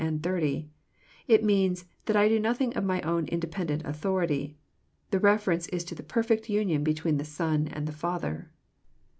It means "that I do nothing of My own independent authority." The reference is to the perfect union between the Son and the Father.